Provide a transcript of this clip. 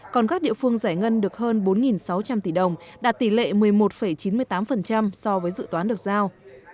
còn các địa phương giải ngân được hơn bốn sáu trăm linh tỷ đồng đạt tỷ lệ một mươi một chín mươi tám so với dự toán được giao